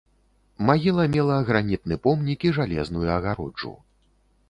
Магіла мела гранітны помнік і жалезную агароджу.